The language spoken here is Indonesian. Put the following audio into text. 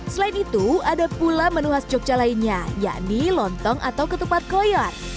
selain itu ada pula menu khas jogja lainnya yakni lontong atau ketupat koyor